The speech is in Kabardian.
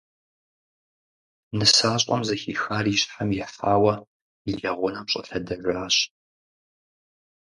Нысащӏэм, зэхихар и щхьэм ихьауэ, и лэгъунэм щӏэлъэдэжащ.